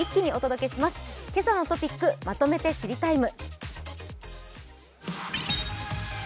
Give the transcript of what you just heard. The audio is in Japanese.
「けさのトピックまとめて知りＴＩＭＥ，」。